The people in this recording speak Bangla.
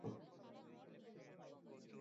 শশী বলিল, টাকাপয়সার ব্যাপার হিসাবনিকাশ থাকবে না?